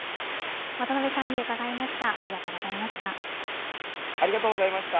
渡辺さんに伺いました。